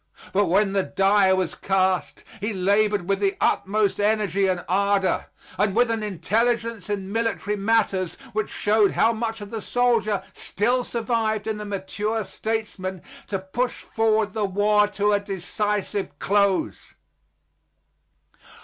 But when the die was cast, he labored with the utmost energy and ardor, and with an intelligence in military matters which showed how much of the soldier still survived in the mature statesman, to push forward the war to a decisive close.